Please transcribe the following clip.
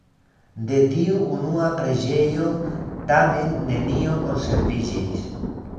De tiu unua preĝejo tamen nenio konserviĝis.